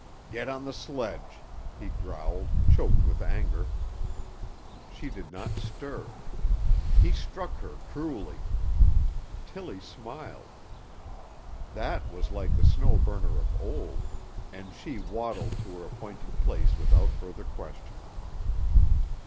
"Get on the sledge!" he growled, choked with anger. She did not stir. He struck her cruelly. Tillie smiled. That was like the Snow Burner of old; and she waddled to her appointed place without further question.